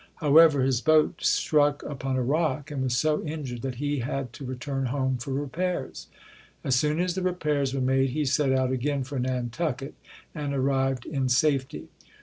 However, his boat struck upon a rock and was so injured that he had to return home for repairs. As soon as the repairs were made, he set out again for Nantucket and arrived in safety.